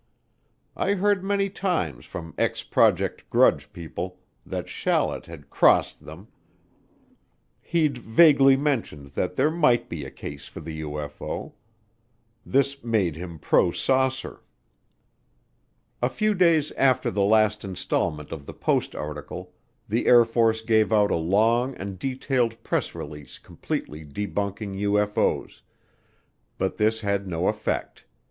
I heard many times from ex Project Grudge people that Shallet had "crossed" them, he'd vaguely mentioned that there might be a case for the UFO. This made him pro saucer. A few days after the last installment of the Post article the Air Force gave out a long and detailed press release completely debunking UFO's, but this had no effect.